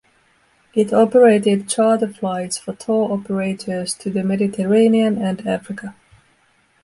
It operated charter flights for tour operators to the Mediterranean and Africa.